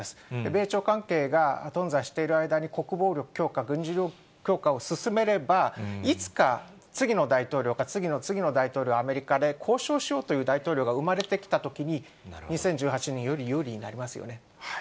米朝関係が頓挫している間に、国防力強化、軍事力強化を進めれば、いつか、次の大統領か、次の次の大統領、アメリカで交渉しようという大統領が生まれてきたときに、２０１８年より有利になりますよね。